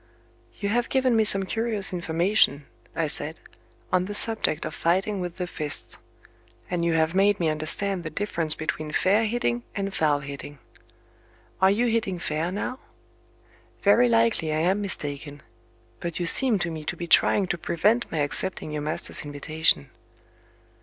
"You have given me some curious information," I said, "on the subject of fighting with the fists; and you have made me understand the difference between 'fair hitting' and 'foul hitting'. Are you hitting fair now? Very likely I am mistaken but you seem to me to be trying to prevent my accepting your master's invitation."